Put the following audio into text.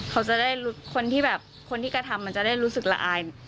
เขาจะได้คนที่แบบคนที่กระทำมันจะได้รู้สึกละอาย